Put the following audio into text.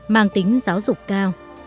mang tính giáo dục cao